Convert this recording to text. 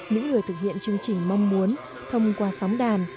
những người thực hiện chương trình mong muốn thông qua sóng đàn